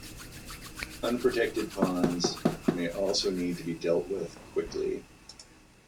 Unprotected pawns may also need to be dealt with quickly.